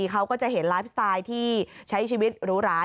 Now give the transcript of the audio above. เขาก็จะเห็นไลฟ์สไตล์ที่ใช้ชีวิตหรูหรา